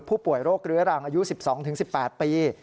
ผู้ป่วยโรคเรื้อรังอายุ๑๒๑๘ปี